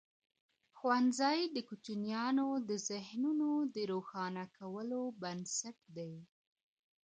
ښوونځی د کوچنیانو د ذهنونو د روښانولو بنسټ دی.